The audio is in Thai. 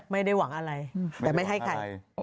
ไม่ได้หวังอะไรแต่ไม่ให้ใคร